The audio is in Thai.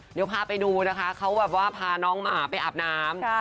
เดี๋ยวพาไปดูนะคะเขาแบบว่าพาน้องหมาไปอาบน้ำ